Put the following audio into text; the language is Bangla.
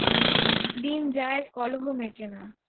দিন যায়, কলহ মেটে না।